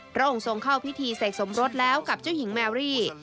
พระองค์ทรงเข้าพิธีเสกสมรสแล้วกับเจ้าหญิงแมวรี่